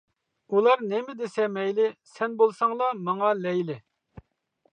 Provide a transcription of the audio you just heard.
ئۇلار نېمە دېسە مەيلى، سەن بولساڭلا ماڭا لەيلى.